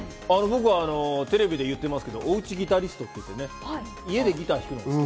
僕はテレビで言ってますけど、おうちギタリスト、家でギターを弾く。